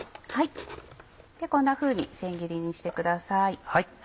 こんなふうに千切りにしてください。